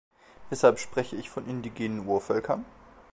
Weshalb spreche ich von den indigenen Urvölkern?